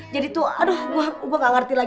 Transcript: tadi siapa yang nyuruh analisa